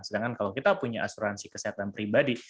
sedangkan kalau kita punya asuransi kesehatan pribadi